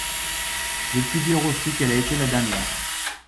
Je puis dire aussi qu'elle a été la dernière.